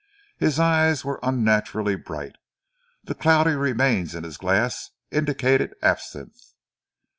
His eyes were unnaturally bright, the cloudy remains in his glass indicated absinthe.